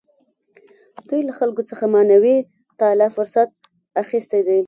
دوی له خلکو څخه معنوي تعالي فرصت اخیستی دی.